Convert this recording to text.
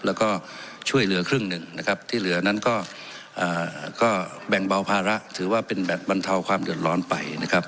แล้วก็ช่วยเหลือครึ่งหนึ่งนะครับที่เหลือนั้นก็แบ่งเบาภาระถือว่าเป็นแบบบรรเทาความเดือดร้อนไปนะครับ